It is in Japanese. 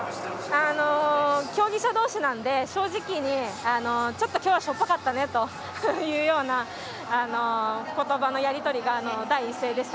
競技者同士なのでちょっと今日はしょっぱかったねというような言葉のやり取りが第一声でした。